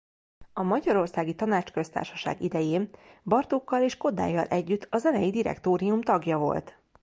A Magyarországi Tanácsköztársaság idején Bartókkal és Kodállyal együtt a zenei direktórium tagja volt.